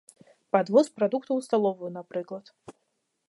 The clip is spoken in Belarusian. Падвоз прадуктаў у сталовую, напрыклад.